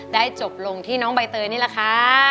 จบลงที่น้องใบเตยนี่แหละค่ะ